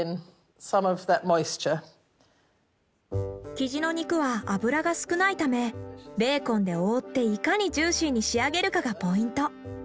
キジの肉は脂が少ないためベーコンで覆っていかにジューシーに仕上げるかがポイント。